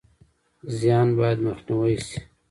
زیان باید مخنیوی شي